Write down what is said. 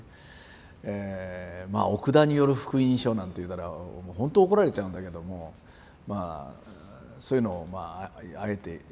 まあ奥田による福音書なんて言うたらほんと怒られちゃうんだけどもまあそういうのまああえて言うんですね